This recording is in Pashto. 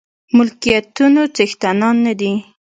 ملکيتونو څښتنان نه دي.